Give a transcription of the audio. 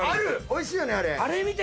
おいしいよねあれ。